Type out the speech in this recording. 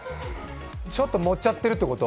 ちょっと盛っちゃってるってこと？